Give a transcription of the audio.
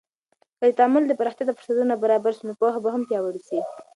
که د تعامل پراختیا ته فرصتونه برابر سي، نو پوهه به هم پیاوړې سي.